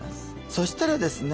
そしたらですね